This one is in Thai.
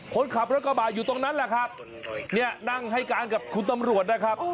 คนขับรถกระบะอยู่ตรงนั้นแหละครับเนี่ยนั่งให้การกับคุณตำรวจนะครับ